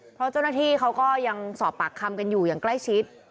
เพราะเจ้าหน้าที่เขาก็ยังสอบปากคำกันอยู่อย่างใกล้ชิด